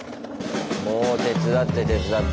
もう手伝って手伝って。